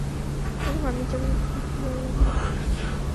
আমার মানুষজনকে খুব ভালো লাগে।